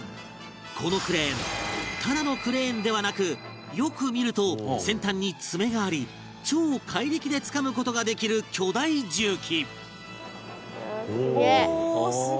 このクレーンただのクレーンではなくよく見ると先端にツメがあり超怪力でつかむ事ができる巨大重機